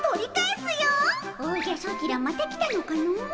おじゃソチらまた来たのかの？